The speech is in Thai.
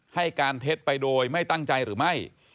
ให้การเท็จไปโดยไม่ตั้งใจหรือไม่